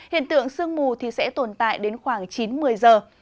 hiện tượng sương mù sẽ tồn tại đến khoảng chín một mươi giờ